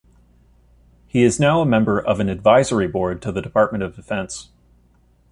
He is now a member of an advisory board to the Department of Defense.